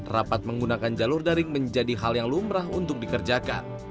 rapat menggunakan jalur daring menjadi hal yang lumrah untuk dikerjakan